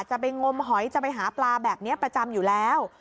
จะไปงมหอยจะไปหาปลาแบบนี้ประจำอยู่แล้ว